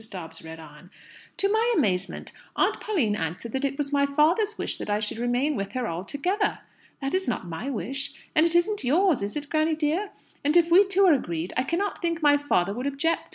Dobbs read on: "To my amazement, Aunt Pauline answered that it was my father's wish that I should remain with her altogether! That is not my wish. And it isn't yours is it, granny dear? And if we two are agreed, I cannot think my father would object.